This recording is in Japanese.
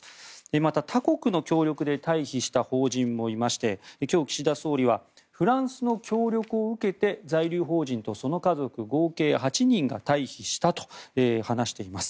また他国の協力で退避した邦人もいまして今日、岸田総理はフランスの協力を受けて在留邦人とその家族合計８人が退避したと話しています。